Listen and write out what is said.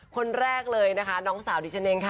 คนแรกเลยนะคะน้องสาวดิฉันเองค่ะ